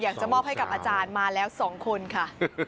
อยากจะมอบให้กับอาจารย์มาแล้ว๒คนค่ะ